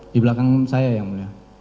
di belakang saya yang mulia